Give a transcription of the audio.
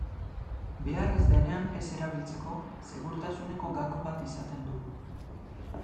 Behar ez denean ez erabiltzeko, segurtasuneko gako bat izaten du.